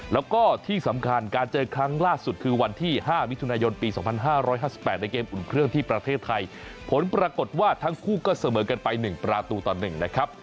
แล้วก็ที่สำคัญการเจอครั้งล่าสุดคือวันที่๕มิถุนายนปี๒๕๕๘ในเกมอุ่นเครื่องที่ประเทศไทยผลปรากฏว่าทั้งคู่ก็เสมอกันไป๑ประตูต่อ๑นะครับ